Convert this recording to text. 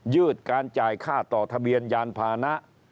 ืดการจ่ายค่าต่อทะเบียนยานพานะ